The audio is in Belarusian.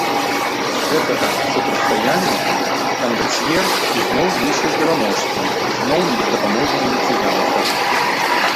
З гэтага супрацьстаяння кандацьер ізноў выйшаў пераможцам, ізноў не без дапамогі венецыянцаў.